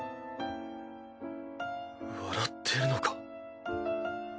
笑ってるのか？